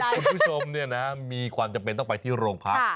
คุณผู้ชมมีความจำเป็นต้องไปที่โรงพัก